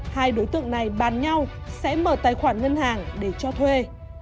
hai đối tượng này bàn nhau sẽ mở tài khoản ngân hàng để cho thuê